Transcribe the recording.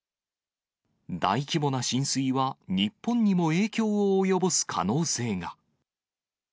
大規模な浸水は日本にも影響を及ぼす可能性が。